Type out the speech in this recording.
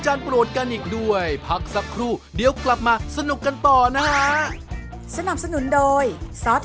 ต้องโชว์กล้องตลอด